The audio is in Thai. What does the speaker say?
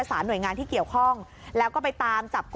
ทั้งสองคน